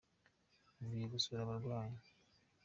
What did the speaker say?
Mvuye gusura abarwayi.